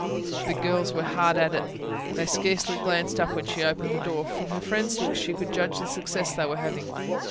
The girls were hard at it; they scarcely glanced up when she opened the door. From her friends' looks, she could judge of the success they were having.